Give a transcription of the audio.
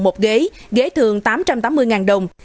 một ghế ghế thường tám trăm tám mươi đồng